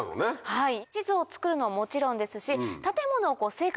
はい。